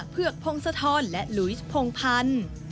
เผือกพงศธรและลุยพงพันธุ์